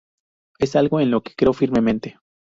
Es algo en lo que creo firmemente.